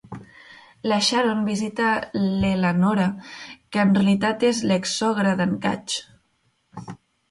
La Sharon visita l'Elanora, que en realitat és l'exsogra d'en Catch.